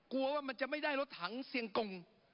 กลัวว่ามันจะไม่ได้รถถังเสียงกง